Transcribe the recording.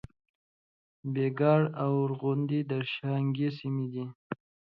بګیاړ او غوربند د شانګلې سیمې دي